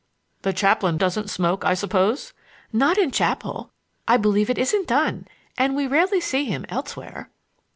"The chaplain doesn't smoke, I suppose." "Not in chapel; I believe it isn't done! And we rarely see him elsewhere."